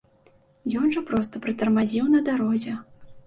Ён жа проста прытармазіў на дарозе.